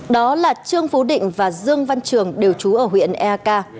đó là trương phú định và dương văn trường đều trú ở huyện ea ca